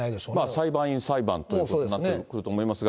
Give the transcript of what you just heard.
裁判員裁判ということになってくると思いますが。